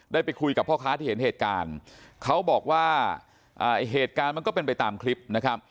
ไปคุยกับพ่อค้าที่เห็นเหตุการณ์เขาบอกว่าเหตุการณ์มันก็เป็นไปตามคลิปนะครับ